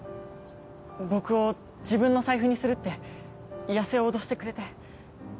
僕を自分の財布にするって矢瀬を脅してくれて。